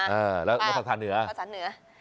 แล้วภาษาเหนือภาษาเหนืออ๋อภาษาเหนือ